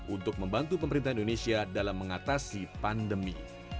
untuk membantu pemerintah indonesia dalam mengatasi pandemi